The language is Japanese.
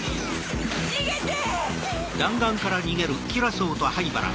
逃げて！